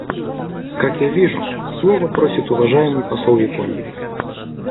Как я вижу, слова просит уважаемый посол Японии.